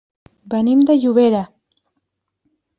Venim de Llobera.